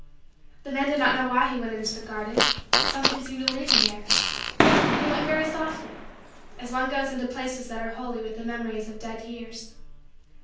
The man did not know why he went into the garden. Something seemed to lead him there. And he went very softly as one goes into places that are holy with the memories of dead years.